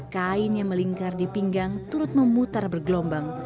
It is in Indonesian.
kain yang melingkar di pinggang turut memutar bergelombang